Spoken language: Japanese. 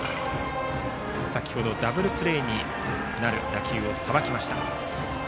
先程ダブルプレーになる打球をさばきました。